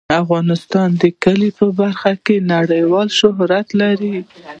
افغانستان د کلي په برخه کې نړیوال شهرت لري.